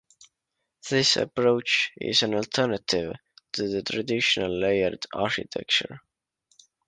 This approach is an alternative to the traditional layered architecture.